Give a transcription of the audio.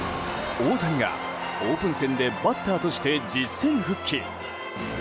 大谷がオープン戦でバッターとして実戦復帰。